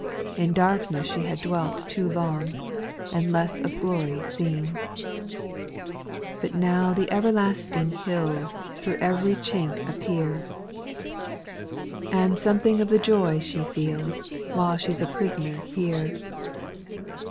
In darkness she had dwelt too long, And less of glory seen. 6. But now the everlasting hills Through ev'ry chink a^\\eax.^ 1 272 SPIRITUAL SONGS. Apd something of the joy she feels, While she 's a prisoner here.